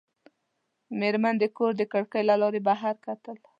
مېرمن د کور د کړکۍ له لارې بهر کتل.